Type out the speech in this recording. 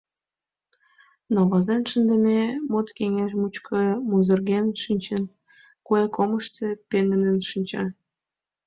Но возен шындыме мут кеҥеж мучко музырген шинчын, куэ комышто пеҥгыдын шинча.